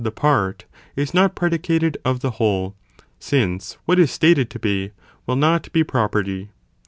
Ἢ whole, be laid the part is not predicated of the whole, since GONE: what is stated to be, will not be property.